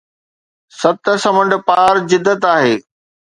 ست سمنڊ پار جدت آهي